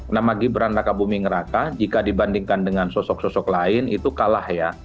nama gibran raka buming raka jika dibandingkan dengan sosok sosok lain itu kalah ya